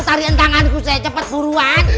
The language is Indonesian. tarian tanganku si cepet buruan